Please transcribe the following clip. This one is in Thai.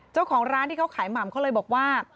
เจ้าของร้านที่เขาขายหม่ำเขาเลยบอกว่า